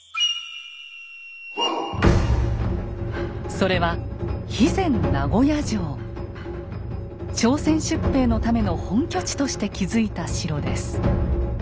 それは朝鮮出兵のための本拠地として築いた城です。